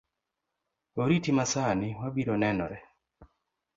Oriti masani, wabiro nenore